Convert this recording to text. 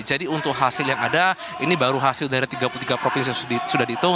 jadi untuk hasil yang ada ini baru hasil dari tiga puluh tiga provinsi yang sudah dihitung